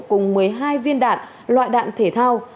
cùng một mươi hai viên đạn loại đạn thể thao